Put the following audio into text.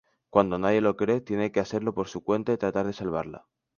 Cuando nadie le cree, tiene que hacerlo por su cuenta y tratar de salvarla.